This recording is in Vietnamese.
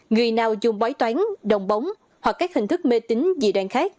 người nào dùng bói toán đồng bóng hoặc các hình thức mê tính dị đoan khác